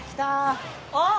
あっ！